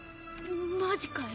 マジかよ。